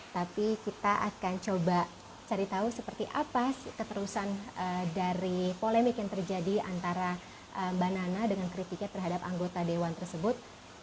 tapi kita akan coba cari tahu seperti apa keterusan dari polemik yang terjadi antara mbak nana dengan kritiknya terhadap anggota dewan tersebut